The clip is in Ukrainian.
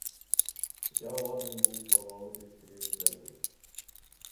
Я ладен був провалитись крізь землю.